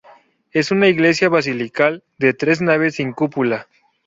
Es una iglesia basilical de tres naves sin cúpula.